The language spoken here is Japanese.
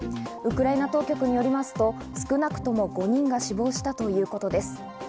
ウクライナ当局によりますと、少なくとも５人が死亡したということです。